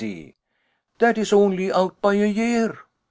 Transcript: "That is only out by a year."